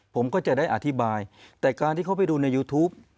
ผมก็จะได้อธิบายแต่การที่เขาไปดูในยูทูป